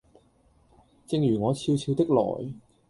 正如我悄悄的來